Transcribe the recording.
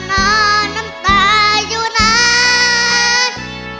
น้ำตาอยู่นาน